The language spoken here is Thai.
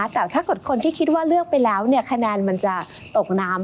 แต่ถ้าเกิดคนที่คิดว่าเลือกไปแล้วคะแนนมันจะตกน้ำ